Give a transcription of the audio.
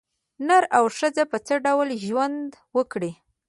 نر او ښځه په څه ډول ژوند وکړي.